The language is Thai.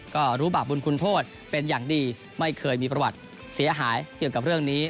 ก็รู้บาปบุญคุณโทษเป็นอย่างดีไม่เคยมีประวัติเสียหายเกี่ยวกับเรื่องนี้